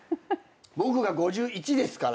僕が５１ですから。